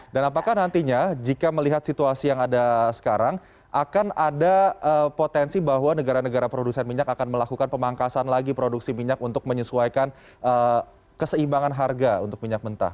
dan apakah nantinya jika melihat situasi yang ada sekarang akan ada potensi bahwa negara negara produksi minyak akan melakukan pemangkasan lagi produksi minyak untuk menyesuaikan keseimbangan harga untuk minyak mentah